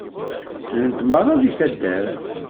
Ssnen-t merra deg taddart.